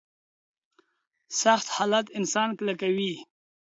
سخت حالات انسان کلکوي.